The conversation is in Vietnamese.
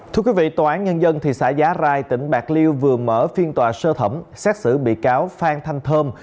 thưa quý vị tòa án nhân dân thị xã giá rai tỉnh bạc liêu vừa mở phiên tòa sơ thẩm xét xử bị cáo phan thanh thơm